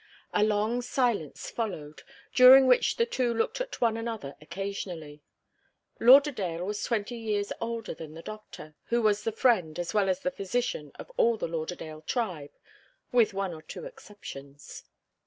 A long silence followed, during which the two looked at one another occasionally. Lauderdale was twenty years older than the doctor, who was the friend, as well as the physician, of all the Lauderdale tribe with one or two exceptions.